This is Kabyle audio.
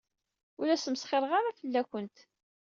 Ur la smesxireɣ ara fell-awent.